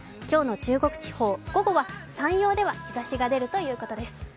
今日の中国地方、午後は山陽では日差しが出るということです。